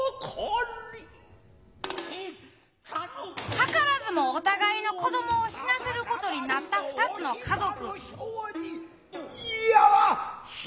図らずもお互いの子どもを死なせることになった２つの家族。